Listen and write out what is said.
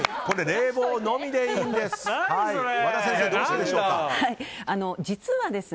冷房のみでいいんです。